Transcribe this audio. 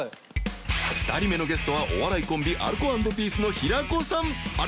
２人目のゲストはお笑いコンビアルコ＆ピースの平子さんあれ？